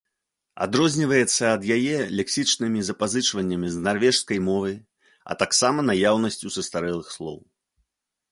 Адрозніваецца ад яе лексічнымі запазычваннямі з нарвежскай мовы, а таксама наяўнасцю састарэлых слоў.